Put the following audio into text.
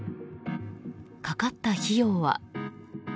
かかった費用は。